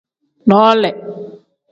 Noole.